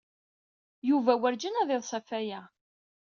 Yuba werǧin ad yeḍṣ ɣef waya.